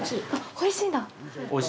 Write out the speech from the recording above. おいしいんだ。